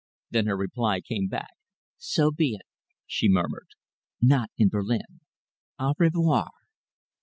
Then her reply came back. "So be it," she murmured. "Not in Berlin. Au revoir!"